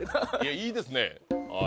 いいですねはい。